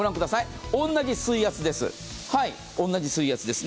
同じ水圧です。